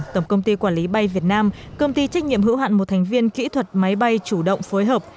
tổng công ty quản lý bay việt nam công ty trách nhiệm hữu hạn một thành viên kỹ thuật máy bay chủ động phối hợp